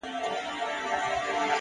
د ارادې ځواک د خنډونو قد ټیټوي,